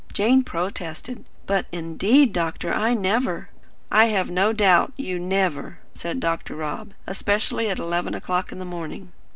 Jane protested. "But, indeed, doctor, I never " "I have no doubt you 'never,'" said Dr. Rob, "especially at eleven o'clock in the morning.